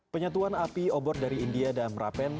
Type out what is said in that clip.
penyatuan api obor dari india dan merapen